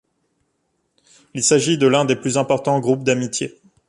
Il s'agit de l'un des plus importants groupes d'amitié.